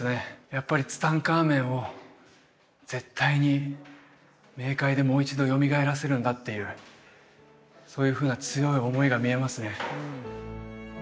やっぱりツタンカーメンを絶対に冥界でもう一度よみがえらせるんだっていうそういうふうな強い思いが見えますね